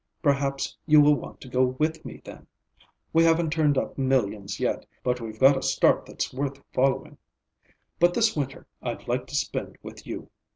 Perhaps you will want to go with me then. We haven't turned up millions yet, but we've got a start that's worth following. But this winter I'd like to spend with you.